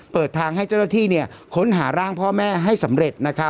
เปิดทางให้เจ้าหน้าที่ค้นหาร่างพ่อแม่ให้สำเร็จ